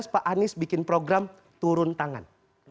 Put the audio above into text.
dua ribu tiga belas pak anies bikin program turun tangan